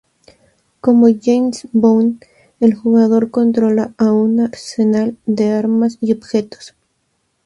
Como James Bond, el jugador controla a un arsenal de armas y objetos.